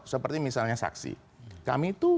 seperti misalnya saksi kami itu